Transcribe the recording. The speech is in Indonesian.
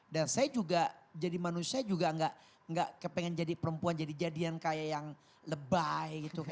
dan saya juga jadi manusia juga enggak kepingin jadi perempuan jadi jadian kayak yang lebay gitu